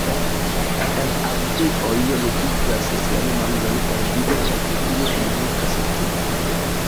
Ardeoj lokigas sian manĝon per vido kaj kutime englutas ĝin komplete.